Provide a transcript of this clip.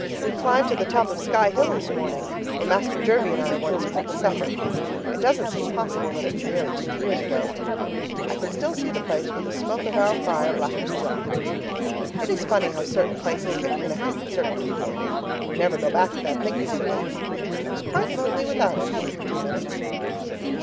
We climbed to the top of 'Sky Hill' this morning where Master Jervie and I once cooked supper it doesn't seem possible that it was nearly two years ago. I could still see the place where the smoke of our fire blackened the rock. It is funny how certain places get connected with certain people, and you never go back without thinking of them. I was quite lonely without him for two minutes.